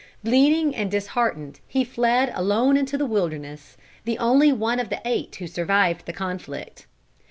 Bleeding and disheartened he fled alone into the wilderness, the only one of the eight who survived the conflict.